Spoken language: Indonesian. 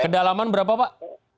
kedalaman berapa pak